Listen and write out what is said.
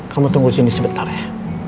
kamu tunggu sini sebentar ya